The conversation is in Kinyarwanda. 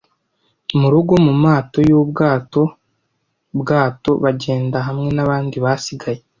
Murugo mumato yubwato-bwato, bagenda hamwe nabandi basigaye,